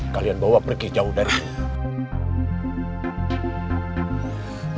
kalian bawa pergi jauh dari sini